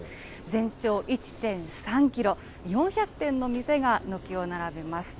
全長１．３キロ、４００軒の店が軒を並べます。